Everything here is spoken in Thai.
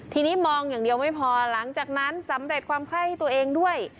ทีนี้มองอย่างเดียวไม่พอหลังจากนั้นสำเร็จความไข้ให้ตัวเองด้วย